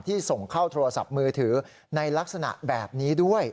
ส่งเข้าโทรศัพท์มือถือในลักษณะแบบนี้ด้วย